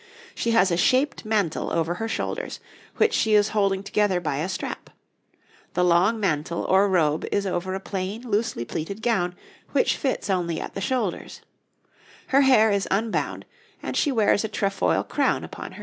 She has a shaped mantle over her shoulders, which she is holding together by a strap; the long mantle or robe is over a plain, loosely pleated gown, which fits only at the shoulders; her hair is unbound, and she wears a trefoil crown upon her head.